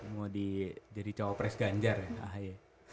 mau jadi cawapres ganjar ya ahy